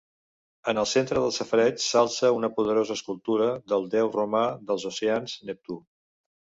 En el centre del safareig s'alça una poderosa escultura del déu romà dels oceans, Neptú.